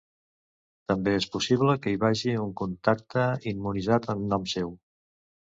També és possible que hi vagi un contacte immunitzat en nom seu.